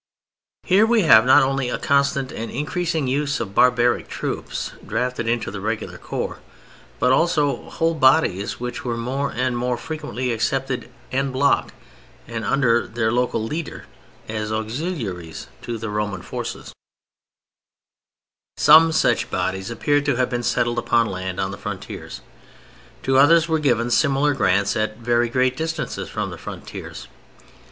Here we have not only a constant and increasing use of barbaric troops drafted into the regular corps, but also _whole bodies which were more and more frequently accepted "en bloc" and, under their local leaders, as auxiliaries to the Roman forces_. Some such bodies appear to have been settled upon land on the frontiers, to others were given similar grants at very great distances from the frontiers.